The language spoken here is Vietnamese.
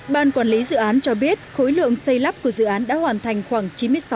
ban quản lý dự án cho biết khối lượng xây lắp của dự án đã hoàn thành khoảng chín mươi sáu